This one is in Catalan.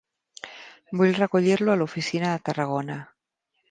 Vull recollir-lo a l'oficina de Tarragona.